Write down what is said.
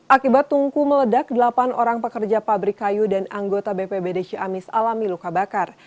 akibat tungku meledak delapan orang pekerja pabrik kayu dan anggota bpbd ciamis alami luka bakar